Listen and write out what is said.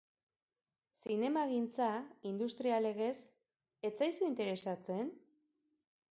Zinemagintza, industria legez, ez zaizu interesatzen?